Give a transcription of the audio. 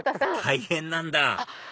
大変なんだあっ！